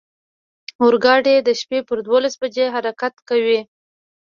اورګاډی د شپې پر دولس بجې حرکت کاوه.